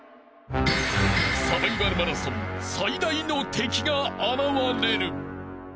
［サバイバルマラソン最大の敵が現れる］